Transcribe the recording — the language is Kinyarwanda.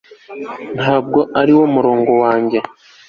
ntabwo ariwo murongo wanjye